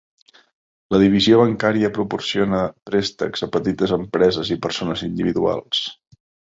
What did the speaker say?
La divisió bancària proporciona préstecs a petites empreses i persones individuals.